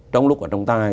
trong lúc ở trong tai